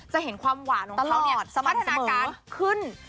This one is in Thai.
จะเห็นความหวานของเขาเนี่ยสมรรถนาการขึ้น